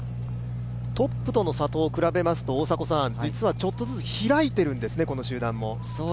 トップとの差と比べますと、実はちょっとずつ開いているんですね、この集団も。